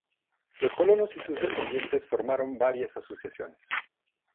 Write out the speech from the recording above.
Los colonos y sus descendientes formaron varias asociaciones.